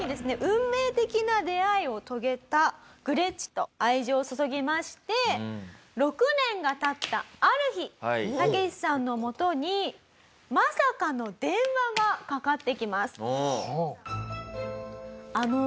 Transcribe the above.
運命的な出会いを遂げたグレッチと愛情を注ぎまして６年が経ったある日タケシさんのもとにまさかの電話がかかってきます。